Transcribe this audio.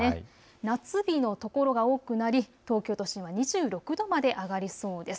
夏日の所が多くなり東京都心２６度まで上がりそうです。